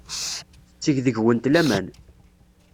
Tetteg deg-went laman.